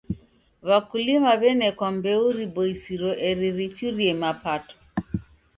W'akuilima w'enekwa mbeu riboisiro eri richurie mapato.